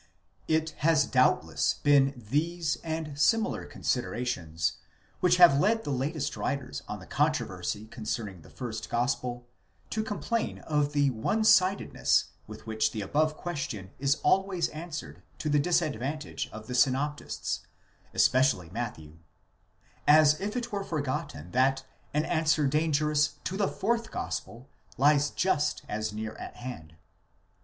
It has doubtless been these and similar considerations, which have led the latest writers on the controversy concerning the first gospel, to complain of the one sidedness with which the above question is always answered to the disadvantage of the synoptists, especially Matthew, as if it were forgotten that an answer dangerous to the fourth gospel lies just as near at hand.